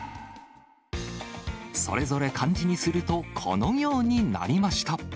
それぞれ漢字にすると、このようになりました。